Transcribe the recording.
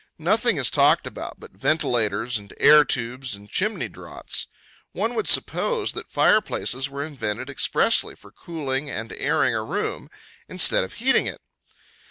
Nothing is talked about but ventilators, and air tubes, and chimney draughts. One would suppose that fire places were invented expressly for cooling and airing a room, instead of heating it.